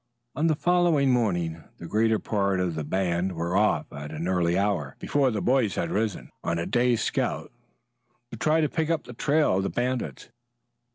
On the following morning the greater part of the band were off at an early hour, before the boys had risen, on a day's scout, to try to pick up the trail of the bandits.